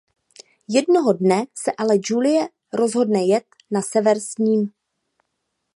Jednoho dne se ale Julie rozhodne jet na sever s ním.